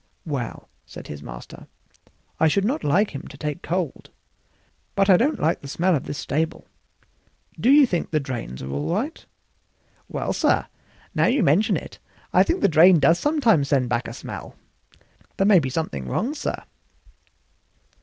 "Well," said his master, "I should not like him to take cold; but I don't like the smell of this stable. Do you think the drains are all right?" "Well, sir, now you mention it, I think the drain does sometimes send back a smell; there may be something wrong, sir."